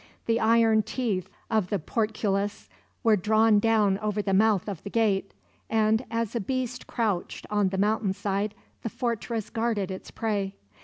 The iron teeth of the portcullis were drawn down over the mouth of the gate; and as a beast crouched on the mountain side, the fortress guarded its prey.